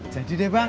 janji deh bang